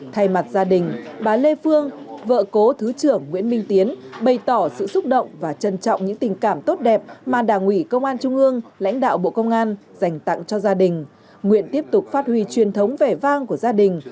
thay mặt gia đình bà lê phương vợ cố thứ trưởng nguyễn minh tiến bày tỏ sự xúc động và trân trọng những tình cảm tốt đẹp mà đảng ủy công an trung ương lãnh đạo bộ công an dành tặng cho gia đình